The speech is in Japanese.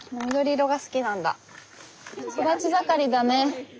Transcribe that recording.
育ち盛りだね。